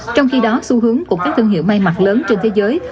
trong khi đó xu hướng của các thương hiệu may mặt lớn trên thế giới